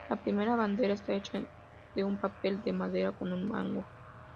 La primera bandera está hecha de un panel de madera con un mango.